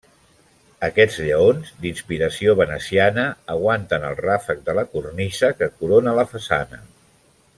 Aquests lleons, d'inspiració veneciana, aguanten el ràfec de la cornisa que corona la façana.